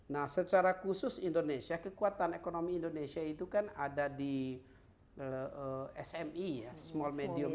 nah secara khusus indonesia kekuatan ekonomi indonesia itu kan ada di smi ya small medium